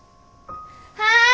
はい。